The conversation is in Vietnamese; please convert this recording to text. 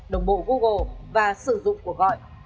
đồng bộ google và sử dụng của gọi